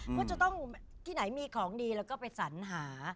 ว่าจะต้องที่ไหนมีของดีแล้วก็ไปสัญหา